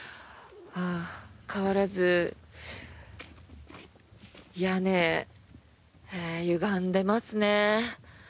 変わらず屋根、ゆがんでますね。